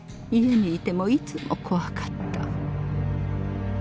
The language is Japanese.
家にいてもいつも怖かった。